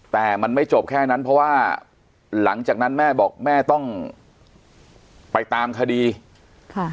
แต่มันไม่จบแค่นั้นเพราะว่าหลังจากนั้นแม่บอกแม่ต้องไปตามคดีค่ะ